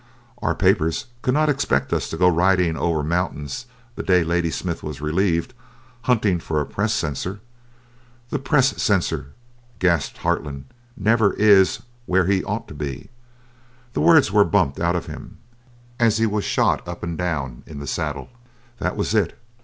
Our papers could not expect us to go riding over mountains the day Ladysmith was relieved, hunting for a press censor. "That press censor," gasped Hartland, "never is where he ought to be." The words were bumped out of him as he was shot up and down in the saddle. That was it.